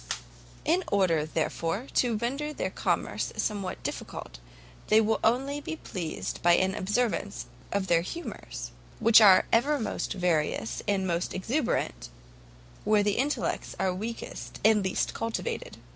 in order, therefore, to render their commerce somewhat difficult, they will only be pleased by an observance of their humours: which are ever most various and most exuberant where the intellects are weakest and least cultivated.